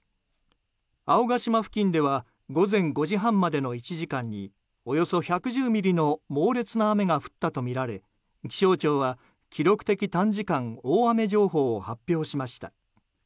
青ヶ島付近では午前５時半までの１時間におよそ１１０ミリの猛烈な雨が降ったとみられ気象庁は記録的短時間大雨情報を発表しました。